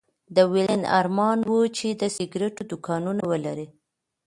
د ويلين ارمان و چې د سګرېټو دوکانونه ولري